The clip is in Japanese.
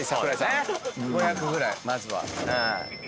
５００ぐらいまずは。